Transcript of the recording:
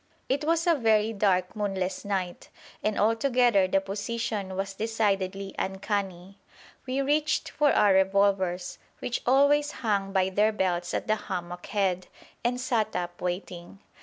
It was a very dark moonless night, and altogether the position was decidedly uncanny. We reached for our revolvers, which always hung by their belts at the hammock head, and sat up waiting.